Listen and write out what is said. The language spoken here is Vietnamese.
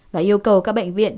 và yêu cầu các bệnh viện